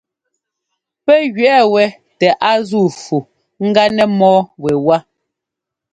Pɛ́ gẅɛɛ wɛ tɛ a zúu fu ŋgá nɛ mɔ́ɔ wɛwá.